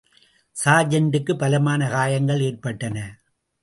சார்ஜெண்டுக்கு பலமான காயங்கள் ஏற்பட்டன.